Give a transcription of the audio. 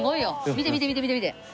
見て見て見て見て！